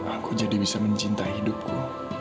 aku jadi bisa mencintai hidupku